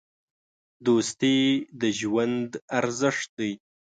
دوستي د ژوند ارزښت دی.